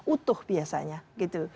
utuh biasanya gitu